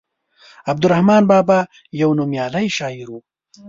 عبدالرحمان بابا يو نوميالی شاعر وو.